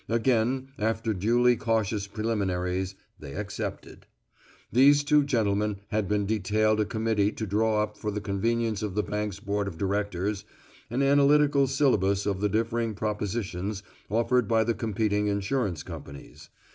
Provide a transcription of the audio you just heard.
Again, after duly cautious preliminaries, they accepted. These two gentlemen had been detailed a committee to draw up for the convenience of the bank's Board of Directors an analytical syllabus of the differing propositions offered by the competing insurance companies.